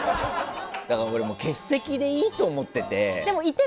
だから、俺は欠席でいいと思っていて。